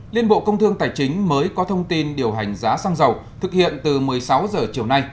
liên bộ công thương tài chính mới có thông tin điều hành giá xăng dầu thực hiện từ một mươi sáu h chiều nay